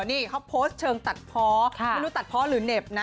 นี่เขาโพสต์เชิงตัดเพาะไม่รู้ตัดเพาะหรือเหน็บนะ